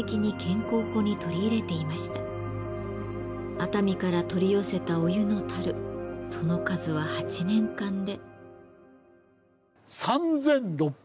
熱海から取り寄せたお湯の樽その数は８年間で。